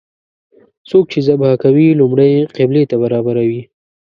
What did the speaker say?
څوک چې ذبحه کوي لومړی یې قبلې ته برابروي.